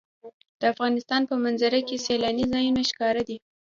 د افغانستان په منظره کې سیلاني ځایونه ښکاره دي.